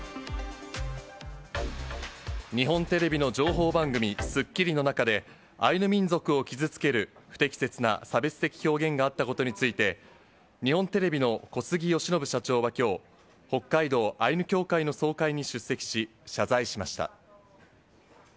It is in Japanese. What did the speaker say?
日本テレビの情報番組、スッキリの中で、アイヌ民族を傷つける不適切な差別的表現があったことについて、日本テレビの小杉善信社長はきょう、北海道アイヌ協会の総会に出席し、謝罪しました。